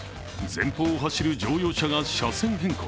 前方を走る乗用車が車線変更。